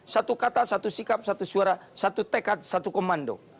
satu kata satu sikap satu suara satu tekad satu komando